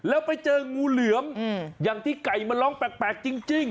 แล้วไปเจองูเหลือมอย่างที่ไก่มันร้องแปลกจริง